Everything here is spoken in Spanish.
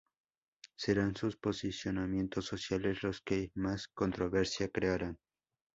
Serán sus posicionamientos sociales los que más controversia crearán.